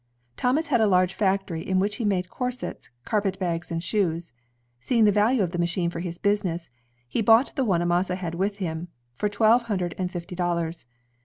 Thomas had a large factory in which he made corsets, carpetbags, and shoes. Seeing the value of the machine for his business, he bought the one Amasa had with him, for twelve hundred and fifty dollars.